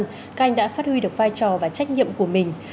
các anh đã phát huy được vai trò và trách nhiệm của mình